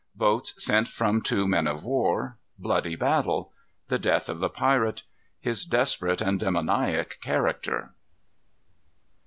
Boats sent from two Men of war. Bloody Battle. The Death of the Pirate. His Desperate and Demoniac Character.